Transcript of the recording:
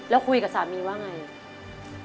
แล้วคุยกับสามีว่าไง